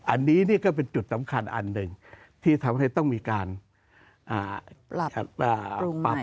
อันนี้ก็เป็นจุดสำคัญอันหนึ่งที่ทำให้ต้องมีการปรับ